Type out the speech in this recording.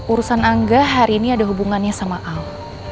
urusan angga hari ini ada hubungannya sama al